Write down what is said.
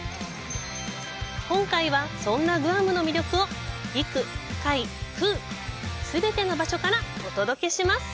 今回は、そんなグアムの魅力を陸、海、空、全ての場所からお届けします！